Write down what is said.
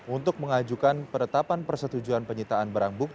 untuk mengajukan penetapan persetujuan penyitaan